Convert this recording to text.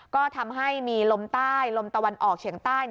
ก็ทำให้มีลมใต้ลมตะวันออกเฉียงใต้